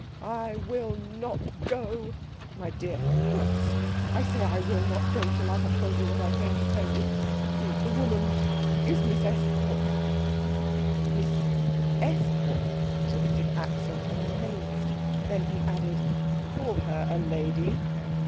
"I will not go." "My dear Herr Klutz." "I say I will not go till I have told you what I came to tell you. The woman is Miss Estcourt." "Miss Estcourt?" repeated Axel, amazed. Then he added, "Call her a lady."